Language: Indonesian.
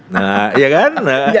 nah ya kan